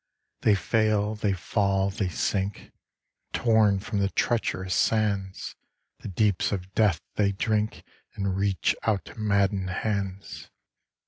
They fail, they fall, they sink, Torn from the treacherous sands; The deeps of death they drink And reach out madden'd hands.